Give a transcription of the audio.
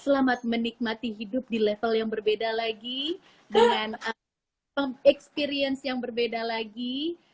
selamat menikmati hidup di level yang berbeda lagi dengan experience yang berbeda lagi